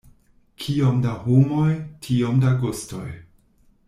Kiom da homoj, tiom da gustoj.